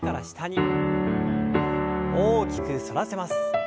大きく反らせます。